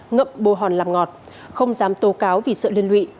ngậm bô hòn làm ngọt không dám tố cáo vì sợ liên lụy